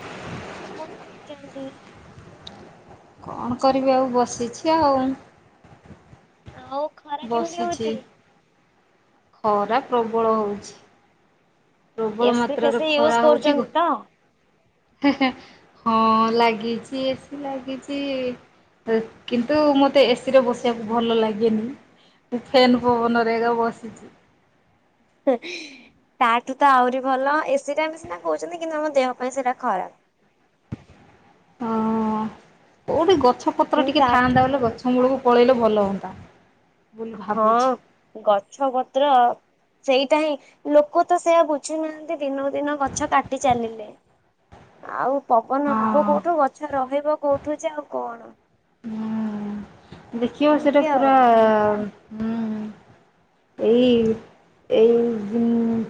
[inaudible] ହୁଣ କୁ ଯେମିତି କଣ କରିବି ଆଉ ବସିଛି ଆଉ ଆ ହଉ ଖରା କେମିତି ବସିଛି। ହଉଛି ଖରା ପ୍ରବଳ ହଉଛି ପ୍ରବଳ ଏସି ମାତ୍ରାରେ ଫେସି ଖରା ୟୁଜ ହଉଛି ଗୋ କରୁଛନ୍ତି ତ? ହଁ ଲାଗିଛି ଏସି ଲାଗିଛି କିନ୍ତୁ ମୋତେ ଏସିରେ ବସିବାକୁ ଭଲ ଲାଗେନି ମୁଁ ଫେନ୍ ପବନରେଗା ବସିଛି ତାଠୁ ତ ଆହୁରି ଭଲ ଏସିଟା ବି ସିନା କହୁଛନ୍ତି କିନ୍ତୁ ଆମ ଦେହ ପାଇଁ ସେଇଟା ଖରାପ। ହଁ ଓ ବି ଗ ଗଛପତ୍ର କିନ୍ତୁ ଟିକେ ତାଠୁ ଥାଆନ୍ତାବୋଇଲେ ଭଲ ଗଛ ମୂଳକୁ ପଳେଇଲେ ଭଲ ହୁନ୍ତା ହଁ ଗଛ ପତ୍ର ସେଇଟା ହିଁ ଲୋକ ତ ସେଆ ବୁଝୁନାହାନ୍ତି ଦିନକୁ ଦିନ ଗଛ କାଟି ଚାଲିଲେ ଆଉ ପବନ ହବ ହଁ କୋଉଠୁ ଗଛ ରହେ ଛୁଆ କୋଉଠୁଛି ଆଉ କଣ? ହୁଁ ଦେଖିବ ସେଟା ଏମିତି ଆଉ ପୁରା ହଁ ଏଇ ଏଇ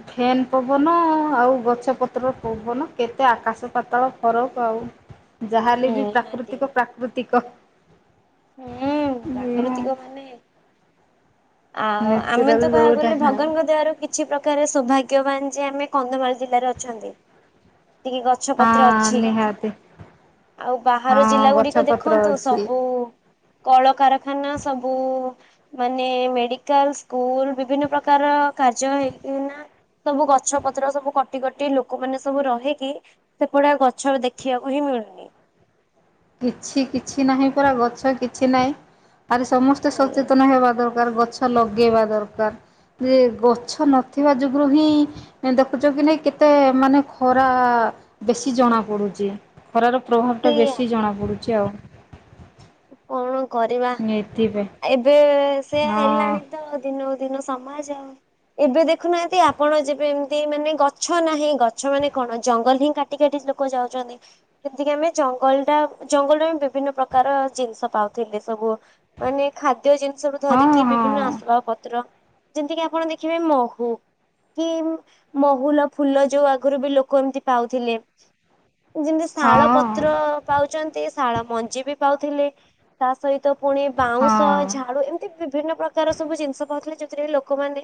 ଫେନ୍ ପବନ ଆଉ ଗଛପତ୍ର ପବନ କେତେ ଆକାଶ ପାତାଳ ଫରକ ଆଉ ଯାହାଲେ ବି ନିହାତି ପ୍ରାକୃତିକ ପ୍ରାକୃତିକ ହୁଁ ପ୍ରାକୃତିକ ମାନେ ଆଉ ଆମେ ନ୍ୟାଚୁରାଲ ତ କହିବାକୁ ଯୋଉଟା ଗଲେ ହଁ ଭଗବାନଙ୍କ ଦେହରୁ କିଛି କିଛି ପ୍ରକାର ସୌଭାଗ୍ୟବାନ ଯେ ଆମେ କନ୍ଧମାଳ ଜିଲ୍ଲାରେ ଅଛନ୍ତି। ଟିକେ ଗଛ ପତ୍ର ଅଛି ନିହାତି। ଆଉ ବାହାର ହଁ ଜିଲ୍ଲା ଗୁଡ଼ିକ ଗଛ ପତ୍ର ଦେଖନ୍ତୁ ଅଛି ସବୁ। କଳକାରଖାନା ସବୁ ମାନେ ମେଡିକାଲ ସ୍କୁଲ ବିଭିନ୍ନ ପ୍ରକାର କାର୍ଯ୍ୟ ହେଇକିିନା ସବୁ ଗଛ ପତ୍ର ସବୁ କଟି କଟି ଲୋକମାନୋନ ସବୁ ରହିକି ସେପଡା ଗଛ ଦେଖିବାକୁ ହିଁ ମିଳୁନି। କିଛି କିଛି ନାହିଁ ପରାା ଗଛ କିଛି ନାହିଁ ଆରେ ସମସ୍ତେ ସେଇଆ ସଚେତନ ହେବା ଦରକାର ଦ ଗଛ ଲଗେଇବା ଦରକାର ଯେ ଗଛ ନଥିବା ଯୋଗଗୁରୁ ହିଁ ଦେଖୁଛ କି ନାଇ କେତେ ମାନେ ଖରା ବେଶୀ ଜଣା ପଡୁଛି। ଖରାର ପ୍ରଭାବଟା ସେଇଆ ବେଶୀ ଜଣାପଡ଼ୁଛି ଆଉ କଣ କରିବା ଏଥିପାଇଁ ଏବେ ସେଆ ହଁ ହେଲାଣି ତ ଦିନ ଦିନ ସମାଜ ଆ ଏବେ ଦେଖୁନାହାନ୍ତି ଆପଣ ଯେବେ ଏମିତି ମାନେ ଗଛ ନାହିଁ ଗଛ ମାନେ କଣ ଜଙ୍ଗଲ ହିଁ କାଟି କାଟି ଲୋକ ଯାଉଛନ୍ତି ଯେମିତିକି ଆମେ ଜଙ୍ଗଲ ଟା ଜଙ୍ଗଲରେ ବିଭିନ୍ନ ପ୍ରକାର ଜିନିଷ ପାଉଥିଲେ ସବୁ ମାନେ ଖାଦ ଖଦ୍ୟ ଜିନିଷ ରୁ ହଁ ଧରିକି ହଁ ବିଭିନ୍ନ ଆସବାବ ପତ୍ର ଯେମତି କିି ଆପଣ ଦେଖିବେ ମହୁ କି ମହୁଲ ଫୁଲ ଯୋଉ ଆଗରୁ ବି ଲୋକ ଏମିତି ପାଉଥିଲେ। ଯେମିତି ଶାଳ ହଁ ପତ୍ର ପାଉଛନ୍ତି ଶାଳ ମଞ୍ଜି ବି ପାଉ ଥିଲେ। ତା ସହିତ ତ ପୁଣି ବାଉଁଶ ହଁ ଝାଡୁ ଏମିତି ବିଭିନ୍ନ ପ୍ରକାର ସବୁ ଜିନିଷ ପାଉଥିଲେ ଯୋ କି ଲୋକମାନେ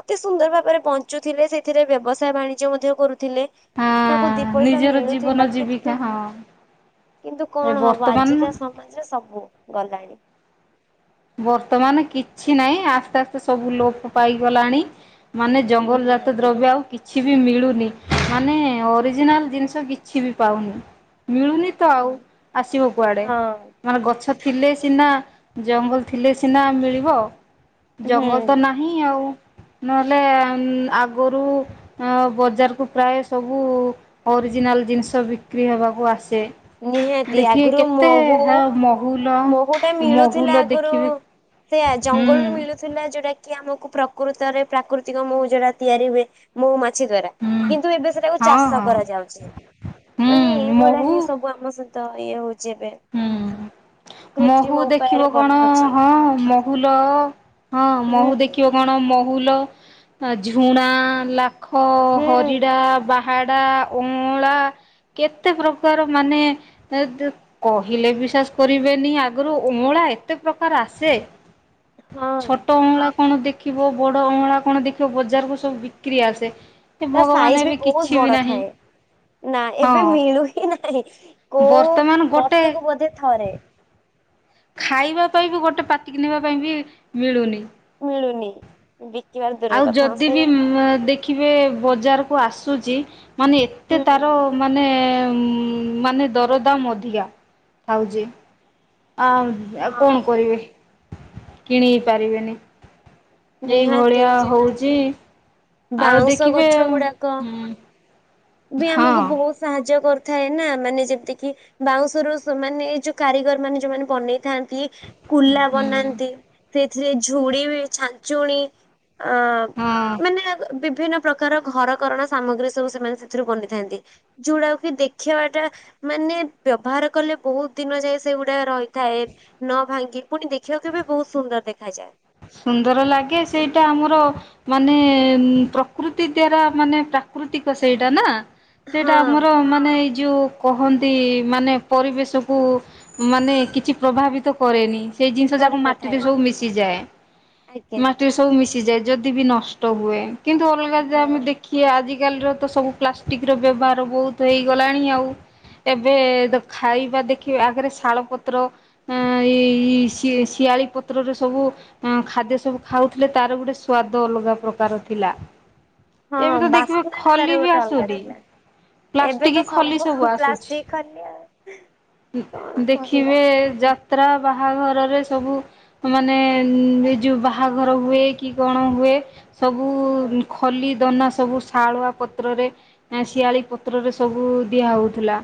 ଅତି ସୁନ୍ଦର ଭାବରେ ବଞ୍ଚୁଥିଲେ ସେଥିରେ ବ୍ୟବସାୟ ବାଣିଜ୍ୟ ମଧ୍ୟ କରୁ ଥିଲେ ହଁ ତାଙ୍କୁ ଦି ପଇସା ନିଜର ଜୀବନ ମିଳୁଥିଲା ଜୀବିକା କିନ୍ତୁ ହଁ କିନ୍ତୁ ଏ କଣ ହବ ଆଜିକା ବର୍ତ୍ତମାନ ସମା ସବୁ ଗଲାଣି। ବର୍ତ୍ତମାନ କିଛି ନାହିଁ ଆସ୍ତେ ଆସ୍ତେ ସବୁ ଲୋପ ପାଇଗଲାଣି। ମାନେ ଜଙ୍ଗଲ ଜାତ ନିହାତି। ଦ୍ରବ୍ୟ ଆଉ କିଛି କିଛି ବି ମିଳୁନି ମାନେ ଅରିଜିନାଲ ଜିନିଷ କିଛି ବି ପାଉନି। ମିଳୁନି ତ ଆଉ ଆସିବ କୁଆଡ଼େ ହଁ ମାନେ ଗଛ ଥିଲେ ସିନା ଜଙ୍ଗ ଥିଲେ ସିନା ମିଳିବ। ଜଙ୍ଗଲ ତ ହୁଁ ନାହିଁ ଆଉ। ନହେଲେ ଆଗରୁ ବଜାରକୁୁ ପ୍ରାୟ ସବୁ ଅରିଜିନାଲ ଜିନିଷ ବିକ୍ରି ହେବାକୁ ଆ ନିହାତି ଦେଖିବେ ଆଗରୁ କେତେ ହ ମହୁ ମହୁ ଲ ମହୁଲ ଦେଖିବେ ସେଇଆ ହୁଁ ଜଙ୍ଗଲରୁୁ ମିଳୁଥିଲା ଯୋ କି ଆମକୁ ପ୍ରକୃତରେ ପ୍ରାକୃତିକ ମହୁ ଯୋଉରା ତିଆରି ହୁଏ ମହୁ ସେ ଦ୍ଵାରା ହୁଁ କିନ୍ତୁ ଏବେ ସେଟାକୁ ହଁ ଚାଷ ହଁ କରାଯାଉଛି ମାନେ ଏଇ ହୁଁ ଭଳିଆ ମହୁ ହିଁ ସବୁ ଆମ [unintelligible] ଯେବେ ହୁଁ ମହୁ ଦେଖିବ କଣ ହଁ ମହୁଲ। ହଁ ହୁଁ ମହୁ ଦେଖିବ କଣ ମହୁଲ ଝୁଣା ଲା ପାଖ ହୁଁ ହରିଡ଼ା ବା ଭାଆଡ଼ା ଅଁଳା କେତେ ପ୍ରକାର ମାନେ- କହିଲେ ବିଶ୍ୱାସ କରିବେନି ଆଗରୁ ଅଁଳା ଏତେ ପ୍ରକାର ଆସେ। ହଁ। ଛୋଟ ଅଁଳା। କଣ ଦେଖିବ ବଡ ଅଁଳା କଣ ଦେଖିବ ବଜାର କୁ ସବୁ ବିକ୍ରି ଆସେ। ସେ ତା ଭଗବାନ ସାଇଜ ବି ଏବେ ବହୁତ କିଛି ବି ବଡ ନାହିଁ ଥାଏ ନା ଏବେ ହଁ ମିଳୁ ହି ନାହିଁ କୋଉ ବର୍ତ୍ତମାନ ବ ଗୋଟେ କୁ ବୋଧେ ଥରେ। ଖାଇବା ପାଇଁ ବି ଗୋଟେ ପାଟି କିି ନବା ପାଇଁ ବି ମିଳୁନି। ମିଳୁନି ବିକିବାତ ଦୂରର ଆଉ କଥା ଯଦି ବି [unintelligible] ଦେଖିବେ ବଜାରକୁ ଆସୁଛି ମାନେ ଏତେ ହୁଁ ତାର ମାନେ ମାନେ ଦରଦାମ ଅଧିକା ଖାଉଛି। ଆ ଆଉ କଣ ହଁ। କରିବେ? କିଣି ବି ପାରିବେନି। ଏଇ ନିହାତି ଭଳିଆ ଯେମିତି ହଉଛି। କିି ଆଉ ବାଉଁଶ ଦେଖିବେ ଗଛ ଗୁଡାକ ହୁଁ ବି ଆମକୁ ବହୁତ ସାହାଯ୍ୟ କରୁ ଥାଏ ନା ମାନେ ଯେମିତି କିି ବାଉଁଶରୁ ମାନେ ଏଇ ଯୋଉ କାରିଗର ମାନେ ଯୋଉମାନେ ବନେଇଥାନ୍ତି। କୁଲା ବନାନ୍ତି ସେଥିରେ ଝୁଡ଼ି ବି ଛା ଚୁଣି ଅ ହଁ ମାନେ ବିଭିନ୍ନ ପ୍ରକାର ଘରକରଣା ସାମଗ୍ରୀ ସବୁ ସେମାନେ ସେଥିରୁ ବନିଥାନ୍ତି ଝୁଡାକୁ କି ଦେଖିବା ଟା ମାନେ ବ୍ୟବହାର କଲେ ବହୁତ ଦିନ ଯାଏ ସେଗୁଡା ରହିଥାଏ ନ ଭାଙ୍ଗି ପୁଣି ଦେଖିବାକୁ ବି ବହୁତ ସୁନ୍ଦର ଦେଖାଯାଏ। ସୁନ୍ଦର ଲାଗେ ସେଇଟା ଆମର ମାନେ ପ୍ରକୃତି ଦ୍ଵାରା ମାନେ ପ୍ରାକୃତିକ ସେଇଟା ନା ସେଇଟା ହଁ ଆମର ମାନେଇ ଯେଉଁ କହନ୍ତି ମାନେ ପରିବେଶକୁ ମାନେ କିଛି ପ୍ରଭାବିତ କରେନି। ସେଇ ଜିନିଷ ଯାକ ମାଟିରେ କରିନଥାଏ ସବୁ ମିଶିଯାଏ। ଆଜ୍ଞା। ମାଟିରେ ସବୁ ମିଶିଯାଏ ଯଦି ବି ନଷ୍ଟ ହୁଏ। କିନ୍ତୁ ଅଲଗା ଯା ହଁ ଆମେ ଦେଖିବା ଆଜି ଆଜିକାଲିର ତ ସବୁ ପ୍ଲାଷ୍ଟିକ ର ବ୍ୟବହାର ବହୁତ ହେଇଗଲାଣି ଆଉ ଏବେ ଖାଇବା ଦେଖିବା ଆଗରେ ଶାଳ ପତ୍ର ଶିଆଳି ପତ୍ରରେ ସବୁ ହଁ ଖାଦ୍ୟ ସବୁ ଖାଉଥିଲେ ତାର ଗୋଟେ ସ୍ଵାଦ ଅଲଗା ପ୍ରକାର ଥିଲା। ହଁ ଏବେ ତ ଦେଖିବେ ବାସ୍ନାଟା ଖଲି ତାର ବି ଗୋଟେ ଅଲଗା ଆସୁନି ଥିଲା ଏବେ ପ୍ଲାଷ୍ଟିକ ତ ଖଲି ସବୁ ଆସୁଛି। ପ୍ଲାଷ୍ଟିଗ ଖଲି ଆଉ କଣ ଦେଖିବେ କରିବା। ଯାତ୍ରା ବାହାଘରରେ ସବୁ ମାନେ ଉ ଏ ଯୋଉ ବାହାଘର ହୁଏ କି କଣ ହୁଏ? ସବୁ ହୁଁ ଖଲି ଦନା ସବୁ ଶାଳୁଆ ପତ୍ରରେ ଶିଆଳି ପତ୍ରରେ ସବୁ ଦିଆ ହଉଥିଲା।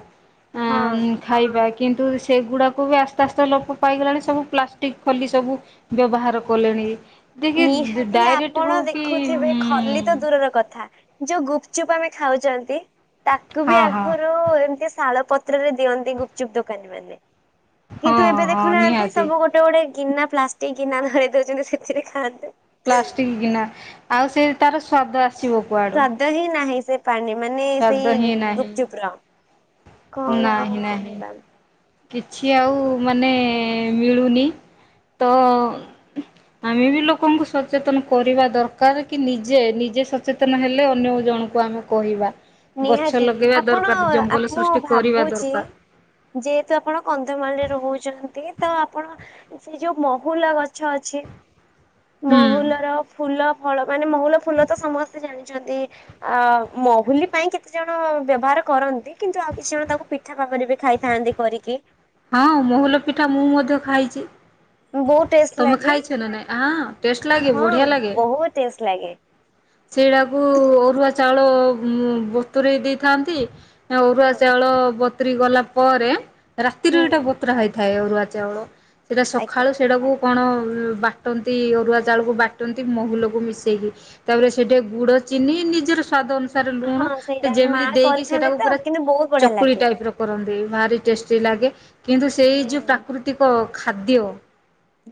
ହଁ ମ ଖାଇବା। କିନ୍ତୁ ସେଗୁଡାକ ବି ଆସ୍ତେ ଆସ୍ତେ ଲୋପ ପାଇଗଲାଣି ସବୁ ପ୍ଲାଷ୍ଟିକ ଖୋଲି ସବୁ ବ୍ୟବହାର କଲେଣି ଦେଖି ନିହାତି ଡାଇରେକ୍ଟ ଆପଣ ହଉ କି ଦେଖୁଥିବେ ଖଲିିତ ଦୂରର କଥା ଯୋଉ ଗୁପ୍ ଚୁପ ଆମେ ଖାଉଛନ୍ତି ତାକୁ ବି ହଁ ହଁ ଆଗରୁ ଏମତି ଶାଳ ପତ୍ର ପତ୍ରରେ ଦିଅନ୍ତି ଗୁପଚୁପ୍ ଦୋକାନୀ ମାନେ। କିନ୍ତୁ ହଁ ଏବେ ହଁ ଦେଖୁନାହାନ୍ତି ନିହାତି ସବୁ ଗୋଟେ ଗୋଟେ ଗୀନା ପ୍ଲାଷ୍ଟିକ ଗୀନା ଧରି ଦଉଛନ୍ତି ସେଥିରେ। ଖାଦ୍ୟ ପ୍ଲାଷ୍ଟିକ ଗୀନା ଆଉ ସେ ତାର ସ୍ଵାଦ ଆ ସ୍ୱାଦ ହିଁ ନାହିଁ, ସେ ପାଣି ମାନେ ସ୍ଵାଦ ସେଇ ହିଁ ନାହିଁ ଗୁପଚୁପ ର କଣ ନାହିଁ ଆଉ ନାହିଁ କହିଲ। କିଛି ଆଉ ମାନେ ମିଳୁନି ତ ଆମେ ବି ଲୋକଙ୍କୁ ସଚେତନ କରିବା ଦରକାର କି ନିଜେ ନିଜେ ସଚେତନ ହେଲେ ଅନ୍ୟ ଜଣଙ୍କୁ ଆମେ କହିବା ଗଛ ନିହାତି ଲଗେଇବା ଆପଣ ଦରକାର ଜଙ୍ଗଲ ଆପ ମୁଁ ସୃଷ୍ଟି କରିବା ଭାବୁଛି ଦରକାର ଯେ ଆପଣ କନ୍ଧମାଳରେ ରହୁଛନ୍ତି ତ ଆପଣ ସେ ଯୋଉ ମହୁଲା ଗଛ ଅଛି। ହୁଁ ମହୁଲ ର ଫୁଲ [inaudible] ମାନେ ମହୁଲ ଫୁଲ ତ ସମସ୍ତେ ଜାଣିି ଯ ଯଦି ମହୁଲି ପାଇଁ କେତେଜଣ ବ୍ୟବହାର କରନ୍ତି କିନ୍ତୁ ଆଉ କିଛି ଜଣ ତାଙ୍କୁ ପିଠା ପାଖରେ ବି ଖାଇଥାନ୍ତି କରିକି। ହଁ ମହୁଲ ପିଠା ମୁଁ ମଧ୍ୟ ଖାଇଛି। ବହୁତ ଟେଷ୍ଟ ତମେ ଲାଗେ ଖାଇଛ ନା ନାଇଁ ଟେଷ୍ଟ ଲାଗେ ହଁ ବଢିଆ ଲାଗେ ବହୁତ ଟେଷ୍ଟ ଲାଗେ ସେଇଡାକୁ ଅରୁଆ ଚାଉଳ ଉ ବୁତୁରେଇ ଦେଇଥାନ୍ତି। ଅରୁଆ ହଁ ଚାଉଳ ବ ତି ଗଲା ପରେ ରାତିରେ ହୁଁ ଏଇଟା ବତରା ହେଇଥା ଅରୁଆ ଚାଉଳ ସେଇଟା ସକାଳୁ ଆଜ୍ଞା ସେଇଟାକୁ କଣ ଅ ବାଟନ୍ତି ଅରୁଆ ଚାଉଳକୁ ବାଟନ୍ତି ମହୁଲକୁ ମିଶାଇକି ତାପରେ ସେଠି ଗୁଡ଼ ଚିନି ନିଜର ସ୍ୱାଦ ଅନୁ ଲୁଣ ହଁ ସେଇଟା ମା ଯେମିତି ଦେଇକି ସେଟା କରିଥାନ୍ତି ତ ପୁରା କିନ୍ତୁ ବହୁତ ବଢିଆ ଚକୁଳି ଲାଗେ ଟାଇପ ର କରନ୍ତୁ, ସେ ଭାରି ଟେଷ୍ଟି ଲାଗେ। କିନ୍ତୁ ସେଇ ଯୋଉ ହୁଁ ପ୍ରାକୃତିକ ଖାଦ୍ୟ।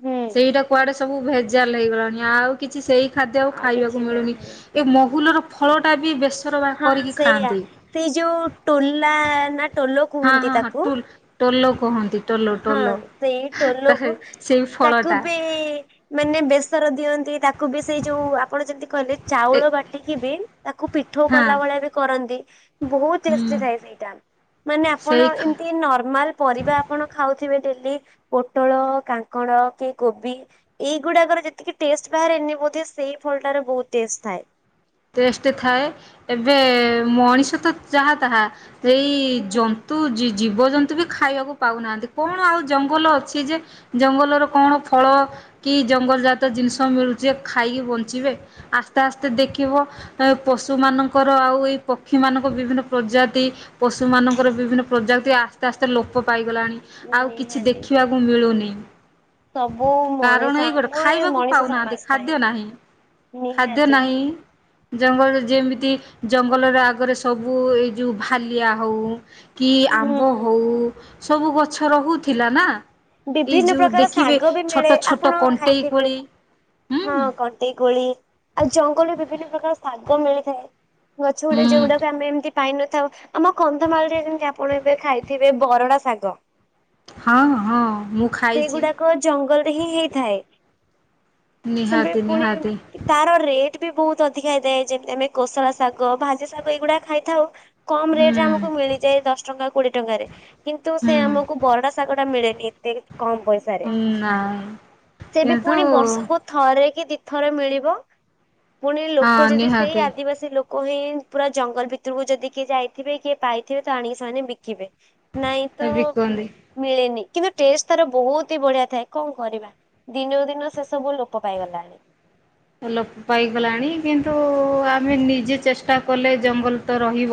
ହୁଁ ସେଇଟା କୁଆଡେ ସବୁ ଭେଜାଲ ହେଇଗଲାଣି। ଆଉ କିଛି ସେଇ ଖାଦ୍ୟ ଆଉ ଖାଇବାକୁ କିଛି ମିଳୁନି। ନାହିଁ। ଏ ମହୁଲର ଫଳଟା ବି ବସି ହଁ ସେଇୟଆ ସେଇ ଯୋଉ ଟୋଲା ନା ଟୋଲ ହଁ କୁହନ୍ତି ହଁ ହଁ ତାକୁ। ଟୁଲ। ତଲୋ କୁହନ ହଁ ସେଇ ଟୋଲକୁ ସେଇ ତାକୁ ଫଳଟା ବି ମାନେ ବେସର ଦିଅନ୍ତି। ତା କୁ ବି ସେଇ ଯୋଉ ଆପଣ ଯେମିତି କହିଲେ ଏ ଚାଉଳ ବାଟିକି ବି ତାକୁ ପି ଠୋଉ ହଁ କଲା ଭଳିଆ ବି କର କନ୍ତି। ବହୁତ ଟେଷ୍ଟ ହୁଁ ଥାଏ ସେଇଟା ମାନେ ଆପଣ ସେଇ ଖା ଏମିତି ନର୍ମାଲ ପରିବା ପଙ୍କ କୋବି ଏୁାକ ସେଇ ଫ ଥା ଟେଷ୍ଟ ଥାଏ ଏବେ ମଣିଷ ତ ଯାହା ତାହା ସେଇ ହୁଁ। ଯନ୍ତୁ ଜୀ ଜୀବଜନ୍ତୁ ବି ଖାଇବାକୁ ପାଉନାହାନ୍ତି। କଣ ଆଉ ଜଙ୍ଗଲ ଅଛି। ଯେ ଜଙ୍ଗଲର କଣ ଫଳ କି ଜଙ୍ଗଲ ଜାତ ଜିନିଷ ମିଳୁଛି ଖାଇକି ବଞ୍ଚିବେ। ଆସ୍ତେ ଆସ୍ତେ ଦେଖି ଥିବ ପଶୁ ମାନଙ୍କର ଆଉ ଏଇ ପକ୍ଷୀ ମନଙ୍କ ବିଭିନ୍ନ ପ୍ରଜାତି ପଶୁ ମାନଙ୍କର ବିଭିନ୍ନ ପ୍ରଜାତି ଆସ୍ତେ ଆସ୍ତେ ଲୋପ ପାଇ ଗଲାଣି ଆଉ କିଛି ନିହାତି। ଦେଖିବାକୁ ମିଳୁନି। ସବୁ [inaudible] କାରଣ ମଣିଷ ଏଇ ଗୋଟେ ଆମ ଏ ଖାଇବାକୁ ମଣିଷ ପାଉନାହାନ୍ତି। ସମାଜ ପାଇଁ ଖାଦ୍ୟ ନାହିଁ ଖାଦ୍ୟ ନିହାତି। ନାହିଁ। ଜଙ୍ଗଲ ଯେମିତି ଜଙ୍ଗଲରେ ଆଗରେ ସବୁ ଏଇ ଯୋଉ ଭାଲିଆ ହଉ। କି ହୁଁ ଆମ୍ବ ହଉ। ସବୁ ଗଛ ରହୁଥିଲା ନା। ଏଇ ବିଭିନ୍ନ ଯୋଉ ପ୍ରକାର ଦେଖିବେ ଶାଗ ବି ଛୋଟ ମିଳେ ଛୋଟ ଆପଣ କଣ୍ଟେଇ ଖାଇଥିବେ। କୋଳି ହୁଁ ହଁ କଣ୍ଟେଇ କୋଳି ଆଉ ଜଙ୍ଗଲ ବିଭିନ୍ନ ପ୍ରକାର ଶାଗ ମିଳିଥାଏ ଗଛ ଗୁଡେ ହୁଁ। ଯଉଗୁଡାକ ଆମେ ଏମତି ପାଇନଥାଉ। ଆମ କନ୍ଧମାଳରେ ଯେମତି ଆପଣ ଏବେ ଖାଇଥିବେ ବରଡା ଶାଗ। ହଁ। ହଁ ମୁଁ ଖାଇଚି। ସେଇଗୁଡାକ ଜଙ୍ଗଲରେ ହିଁ ହେଇଥାଏ। ସେମତି ନିହାତି ପୁଣି ନିହାତି ତାର ରେଟ ବି ବହୁତ ଅଧିକା ହେଇଥାଏ ଯେମିତି ଆମେ କୋଷଳା ଶାଗ ଭାଜି ଶାଗ ଏଇଗୁଡାକ ଖାଇଥାଉ। କମ ରେଟ ହୁଁ ରେ ଆମକୁ ମିଳିଯାଏ ଦଶ ଟଙ୍କା କୋଡିଏ ଟଙ୍କାରେ କିନ୍ତୁ ହୁଁ। ସେ ଆମକୁ ବରଡା ଶାଗ ଟା ମିଳେ ଏ ତେ କମ ପଇସାରେ ନାଇଁ ସେ ବି କିନ୍ତୁ ପୁଣି ବର୍ଷକୁ ଥରେ କି ଦି ଥର। ଥରେ ମିଳିବ। ପୁଣି ହଁ ଲୋକ ଯଦି ସେଇ ନିହାତି ଆଦିବାସୀ ଲୋକ। କହି ପୁରା ଜଙ୍ଗଲ ଭିତରକୁ ଯଦି କିଏ ଯାଇଥିବେ କିଏ ପାଇଥିବେ ତ ଆଣିକି ସେମାନେ ବିକିବେ। ନାଇଁ ତ ବିକନ୍ତି। ମିଳେନି ଷ୍ଟେଜ ତାର ବହୁତ ହି ବଢିଆ ଥାଏ କଣ କରିବା ଦିନକୁ ଦିନ ସେ ସବୁ ଲୋପ ପାଇଗଲାଣି। ଲୋକ ପାଇଗଲାଣି କିନ୍ତୁ ଆମେ ନିଜେ ଚେଷ୍ଟା କଲେ ଜଙ୍ଗଲ ତ ରହିବ।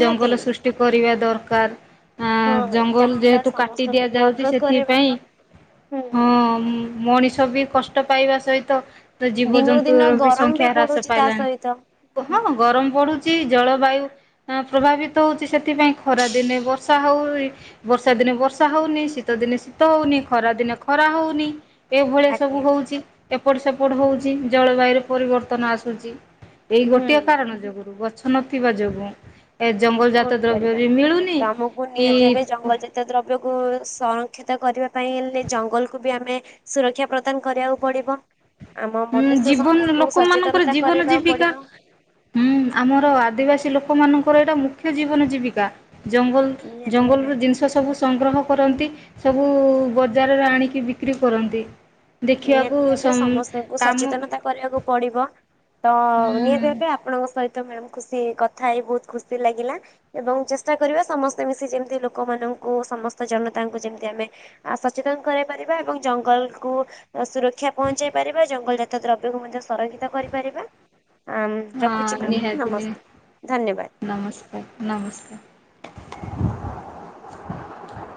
ଜଙ୍ଗଲ ସୃଷ୍ଟି କରିବା ଦରକାର। ଆ ହଁ ଜଙ୍ଗଲ ଚାହିଁବା ଯେହେତୁ କାଟି ସମସ୍ତଙ୍କୁ ବି ଦିଆଯାଉଛି ଅନୁରୋଧ କରିବା ସେଥିପାଇଁ ହଁ ହୁଁ। ମଣିଷ। ଛବି କଷ୍ଟ ପାଇବା ସହିତ ତ ଦିନକୁ ଜୀବଜନ୍ତୁ ଦିନ ର ବି ଗରମ ସଂଖ୍ୟା ହ୍ରାସ ବଢୁଛି ତା ପାଇଲାଣି ସହିତ। ହଁ ଗରମ ପଡୁଛି ଜଳବାୟୁ ପ୍ରଭାବିତ ହଉଛି ସେଥିପାଇଁ ଖରା ଦିନେ ବର୍ଷା ହଉ ବର୍ଷା ଦିନେ ବର୍ଷା ହଉନି ଶୀତ ଦିନେ ଶୀତ ହଉନି ଖରା ଦିନେ ଖରା ହଉନି। ଏଭଳିଆ ସବୁ ଆଜ୍ଞା। ହଉଛି। ଏପଟେ ସବୁ ଏପଟେ ହଉଛି ଜଳବାୟୁ ର ପରିବର୍ତ୍ତନ ଆସୁଛି। ଏଇ ହୁଁ ଗୋଟିଏ କାରଣ ଯୋଗୁରୁ ଗଛ ନଥିବା ଯୋଗୁଁ। ଏ ଜଙ୍ଗଲଜାତ କଣ ଦ୍ରବ୍ୟ କରିବା ବି ମିଳୁନି ତ ଆମକୁ କି ନିହାତି ଏବେ ଜଙ୍ଗଲ ଜାତୀୟ ଦ୍ରବ୍ୟକୁ ସଂରକ୍ଷିତ କରିବା ପାଇଁ ହେଲେ ଜଙ୍ଗଲକୁ ବି ଆମେ ସୁରକ୍ଷା ପ୍ରଦାନ କରିବାକୁ ପଡିବ। ଆମ ହୁଁ ମନୁଷ୍ୟ ଜୀବନ ସମାଜକୁ ଲୋକ ମାନଙ୍କର ସଚେତନତା ଜୀବନ କରିବାକୁ ଜୀବିକା ପଡିବ। ହୁଁ ଆମର ଆଦିବାସୀ ଲୋକମାନଙ୍କ ଙ୍କର ଏତା ମୁଖ୍ୟ ଜୀବନ ଜୀବିକା। ଜଙ୍ଗଲ ନିହାତି ଭାବେ ଜଙ୍ଗଲର ଜିନିଷ ସବୁ ସଂଗ୍ରହ କରନ୍ତି ସବୁ ବଜାରରେ ଆଣିକି ବିକ୍ରି କରନ୍ତି। ନିହାତି ଭାବେ ସମସ୍ତଙ୍କୁ ଦେଖିବାକୁ ସଚେତନତା କରିବାକୁ ପଡିବ। ତ ହୁଁ ନିହାତି ହେବେ ଆପଣଙ୍କ ସହିତ ତ ମ୍ୟାମ ଙ୍କ ସହ କଥା ହେଇ ବହୁତ ଖୁସି ଲାଗିଲା ଏବଂ ଚେଷ୍ଟା କରିବା ସମସ୍ତେ ମିଶି ଯେମିତି ଲୋକମାନଙ୍କୁ ସମସ୍ତ ଜନତାଙ୍କୁ ଯେମତି ଆମେ ସଚେତନ କରାଇ ପାରିବା ଏବଂ ଜଙ୍ଗଲକୁ ଓ ସୁରକ୍ଷା ପହଞ୍ଚାଇ ପାରିବା ଜଙ୍ଗଲଜାତ ଦ୍ରବ୍ୟକୁ ମଧ୍ୟ ସରକ୍ଷିତ କରିପାରିବା ଆ, ଉଁ, ହଁ ରଖୁଚି ମ୍ୟାମ୍ ନିହାତି ନମସ୍କାର, ନିହାତି ଧନ୍ୟବାଦ। ନମସ୍କାର ନମସ୍କାର।